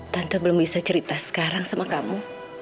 tante belum bisa cerita sekarang sama kamu